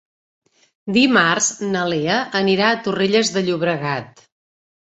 Dimarts na Lea anirà a Torrelles de Llobregat.